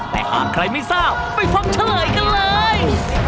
แต่หากใครไม่ทราบไปฟังเฉลยกันเลย